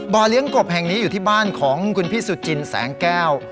เลี้ยงกบแห่งนี้อยู่ที่บ้านของคุณพี่สุจินแสงแก้ว